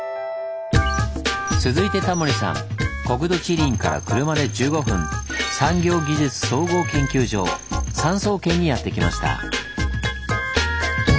続いてタモリさん国土地理院から車で１５分産業技術総合研究所「産総研」にやって来ました。